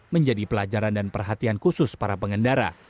menjadi pelajaran dan perhatian khusus para pengendara